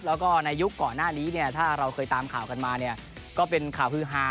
แล้วก็ในยุคก่อนหน้านี้เนี่ยถ้าเราเคยตามข่าวกันมาเนี่ยก็เป็นข่าวฮือฮา